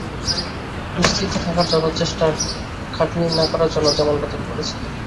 নিশ্চিন্ত থাকার জন্যে, চেষ্টা আর খাটনি না করার জন্যে, যেমনটা তুমি বলেছিলে।